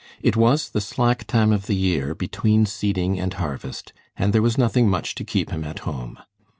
It was the slack time of the year, between seeding and harvest, and there was nothing much to keep him at home.